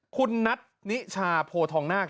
คุณนัทนิชาโพทองนาค